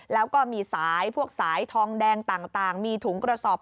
แล้วก็มีสายพวกสายทองแดงต่างมีถุงกระสอบ